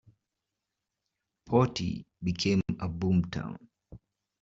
"Portie" became a boom town.